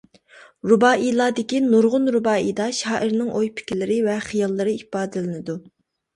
‹رۇبائىيلار› دىكى نۇرغۇن رۇبائىيدا شائىرنىڭ ئوي-پىكىرلىرى ۋە خىياللىرى ئىپادىلىنىدۇ.